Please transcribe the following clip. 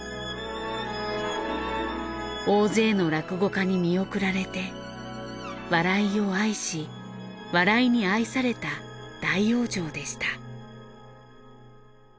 大勢の落語家に見送られて笑いを愛し笑いに愛された大往生でした。